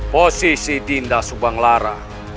posisi dinda subang lara